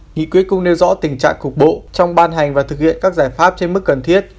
nghị quyết cũng nêu rõ tình trạng cục bộ trong ban hành và thực hiện các giải pháp trên mức cần thiết